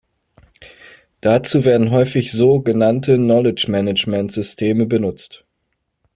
Dazu werden häufig so genannte Knowledge Management Systeme benutzt.